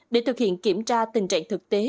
để thực hiện kiểm tra tình trạng thực tế